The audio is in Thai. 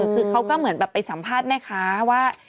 คือเขาก็เหมือนแบบไปสัมภาษณ์แม่ค้าว่า